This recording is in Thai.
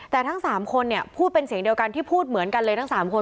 แต่ทั้ง๓คนเนี่ยพูดเป็นเสียงเดียวกันที่พูดเหมือนกันเลยทั้ง๓คน